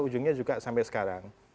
ujungnya juga sampai sekarang